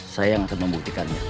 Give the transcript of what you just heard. saya yang akan membuktikannya